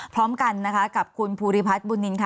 พร้อมกันนะคะกับคุณภูริพัฒน์บุญนินค่ะ